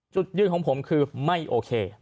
จุดยืนของผมคือไม่โอเค